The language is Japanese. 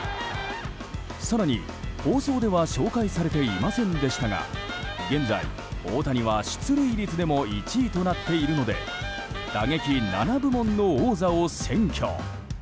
更に、放送では紹介されていませんでしたが現在、大谷は出塁率でも１位となっているので打撃７部門の王座を占拠。